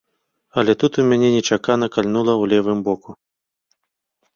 Але тут у мяне нечакана кальнула ў левым боку.